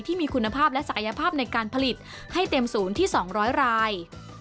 ที่มีคุณภาพและศักยภาพในการผลิตให้เต็มศูนย์ที่๒๐๐ราย